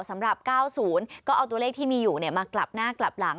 สำหรับ๙๐ก็เอาตัวเลขที่มีอยู่มากลับหน้ากลับหลัง